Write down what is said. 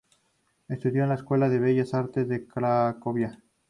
Estudió en la Escuela de Bellas Artes de Cracovia.